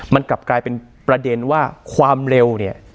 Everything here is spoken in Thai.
มันกลับกลายเป็นประเด็นว่าความเร็วเนี่ย